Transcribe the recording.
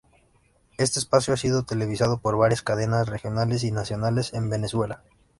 Este espacio ha sido televisado por varias cadenas regionales y nacionales en Venezuela.